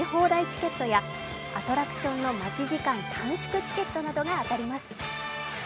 チケットやアトラクションの待ち時間短縮チケットなどが当たります。